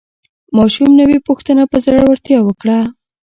ماشوم نوې پوښتنه په زړورتیا وکړه